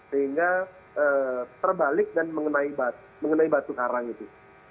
sehingga terbalik dan mengenai batu karang itu